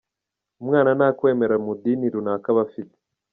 Umwana nta kwemera mu idini runaka aba afite.